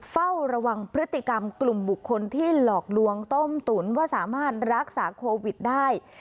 เฝ้าระวังพฤติกรรมกลุ่มบุคคลที่หลอกลวงต้มตุ๋นว่าสามารถรักษาโควิดได้